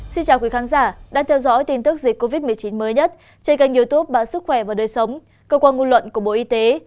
xin chào quý khán giả đang theo dõi tin tức dịch covid một mươi chín mới nhất trên kênh youtube báo sức khỏe và đời sống cơ quan ngôn luận của bộ y tế